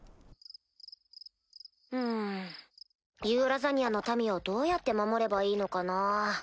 ・ん・ユーラザニアの民をどうやって守ればいいのかなぁ。